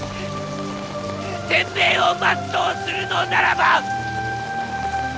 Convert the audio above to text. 天命を全うするのならば！